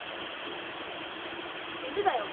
犬だよ。